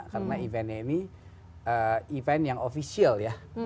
karena eventnya ini event yang official ya